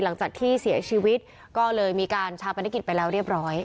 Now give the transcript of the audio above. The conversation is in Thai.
หลังจากที่เสียชีวิตก็เลยมีการชาปนกิจไปแล้วเรียบร้อย